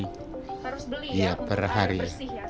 harus beli ya untuk air bersih